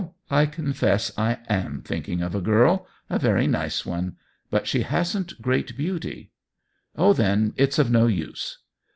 I confess I am thinking of a girl — A vciy nice one. I^ut she hasn't great bc.miv." •M>h, then it's of no use."